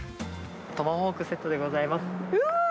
トマホークセットでございまうわー！